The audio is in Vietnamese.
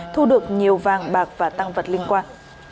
thu được nhiều vàng bạc và tăng vật liên quan